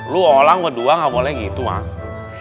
lu alang kedua gak boleh gitu mak